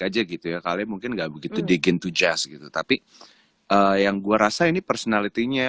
aja gitu ya kali mungkin enggak begitu digin to jazz gitu tapi yang gua rasa ini personality nya